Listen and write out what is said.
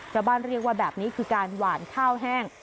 ชาวบ้านเรียกว่าแบบนี้คือการหวานข้าวแห้ง